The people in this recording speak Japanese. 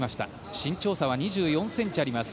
身長差は２４ｃｍあります。